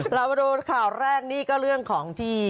เรามาดูข่าวแรกนี่ก็เรื่องของที่